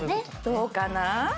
どうかな？